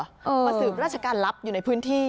มาสืบราชการลับอยู่ในพื้นที่